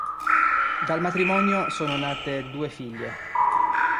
Dal matrimonio sono nate due figlie.